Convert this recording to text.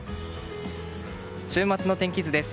週末の天気図です。